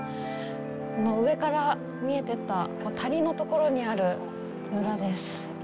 上から見えてた谷のところにある村です。